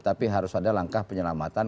tapi harus ada langkah penyelamatan